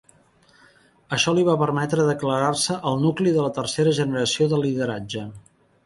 Això li va permetre declarar-se el "nucli" de la tercera generació del lideratge.